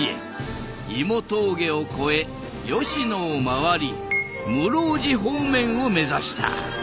芋峠を越え吉野を回り室生寺方面を目指した。